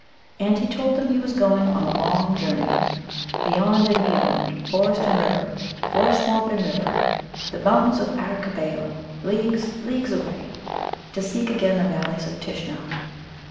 And he told them he was going on a long journey "beyond and beyond, forest and river, forest swamp and river, the mountains of Arakkaboa, leagues, leagues away" to seek again the Valleys of Tishnar.